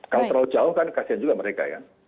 kalau terlalu jauh kan kasian juga mereka ya